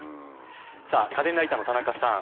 さあ家電ライターの田中さん